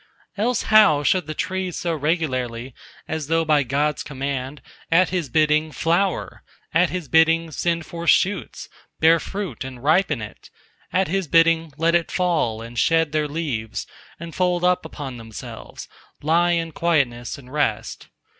"Else how should the trees so regularly, as though by God's command, at His bidding flower; at His bidding send forth shoots, bear fruit and ripen it; at His bidding let it fall and shed their leaves, and folded up upon themselves lie in quietness and rest?